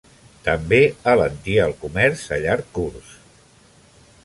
També alentia el comerç a llarg curs.